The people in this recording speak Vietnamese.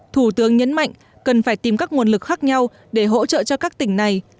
thủ tướng nhấn mạnh cần phải tìm các nguồn lực khác nhau để hỗ trợ cho các tỉnh này